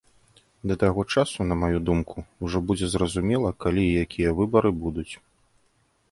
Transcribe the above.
Да таго часу, на маю думку, ужо будзе зразумела, калі і якія выбары будуць.